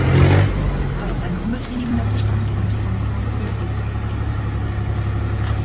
Das ist ein unbefriedigender Zustand, und die Kommission prüft dieses Problem.